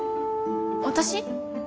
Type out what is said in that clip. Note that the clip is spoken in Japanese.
私？